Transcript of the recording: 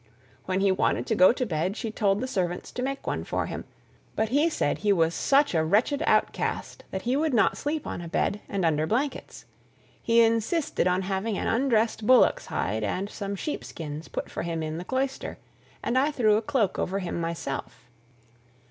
When he wanted to go to bed she told the servants to make one for him, but he said he was such a wretched outcast that he would not sleep on a bed and under blankets; he insisted on having an undressed bullock's hide and some sheepskins put for him in the cloister and I threw a cloak over him myself."